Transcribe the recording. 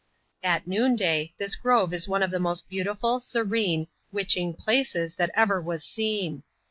At noonday, this grove is one of the most beautiful^ serene, witching places that ever was seen.